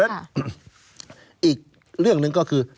ดังนั้นอีกเรื่องหนึ่งก็คือ